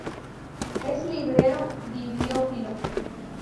Es librero bibliófilo.